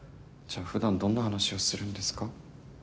じゃあ普段どんな話をするんですか？